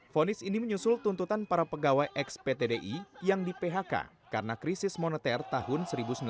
fonis ini menyusul tuntutan para pegawai ex ptdi yang di phk karena krisis moneter tahun seribu sembilan ratus sembilan puluh